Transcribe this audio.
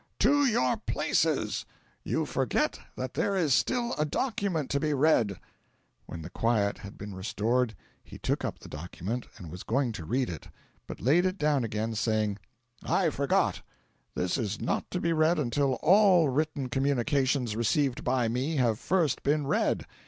To your places! You forget that there is still a document to be read." When quiet had been restored he took up the document, and was going to read it, but laid it down again saying "I forgot; this is not to be read until all written communications received by me have first been read."